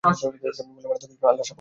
বললাম, মারাত্মক কিছুই না, আল্লাহর শপথ!